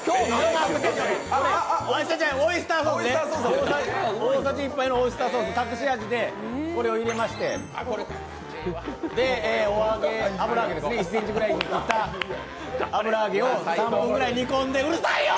オイスターソースね、大さじ１杯のオイスターソース隠し味でこれをいれましてで、お揚げ、１ｃｍぐらいに切った油揚げを３分ぐらい煮込んでうるさいよ！